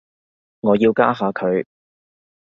我要加下佢